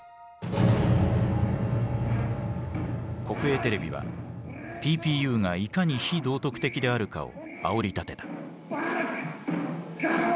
国営テレビはＰＰＵがいかに非道徳的であるかをあおりたてた。